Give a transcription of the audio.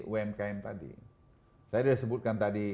umkm tadi saya sudah sebutkan tadi